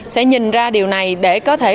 sẽ nhìn ra điều này để có thể